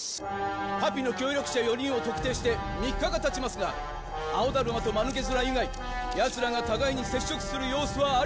パピの協力者４人を特定して３日が経ちますが青ダルマとマヌケ面以外ヤツらが互いに接触する様子はありません。